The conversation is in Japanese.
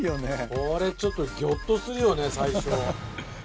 これちょっとぎょっとするよね最初。